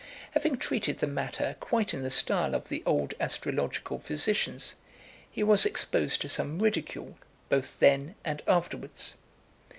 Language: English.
Having treated the matter quite in the style of the old astrological physicians, he was exposed to some ridicule both then and afterwards.